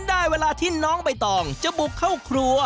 ได้เวลาที่น้องใบตองจะบุกเข้าครัว